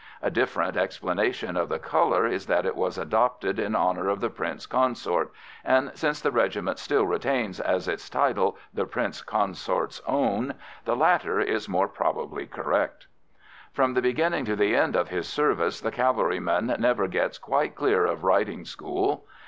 A different explanation of the colour is that it was adopted in honour of the Prince Consort, and since the regiment still retains as its title "The Prince Consort's Own," the latter is more probably correct. From the beginning to the end of his service the cavalryman never gets quite clear of riding school.